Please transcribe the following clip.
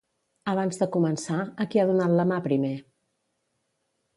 Abans de començar, a qui ha donat la mà primer?